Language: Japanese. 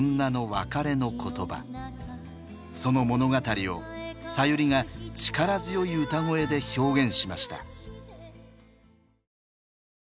その物語をさゆりが力強い歌声で表現しました。